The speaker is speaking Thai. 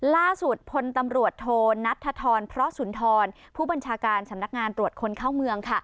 ล่าสุดพลตำรวจโทนัทธรพระสุนทรผู้บัญชาการสำนักงานตรวจคนเข้าเมือง